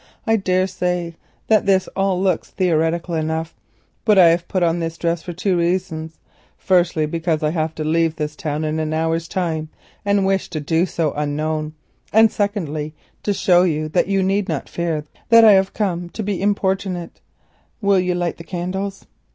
"I daresay that this all looks theatrical enough—but I have put on this dress for two reasons: firstly, because I must leave this town in an hour's time and wish to do so unknown; and secondly, to show that you need not fear that I have come to be troublesome. Will you light the candles?"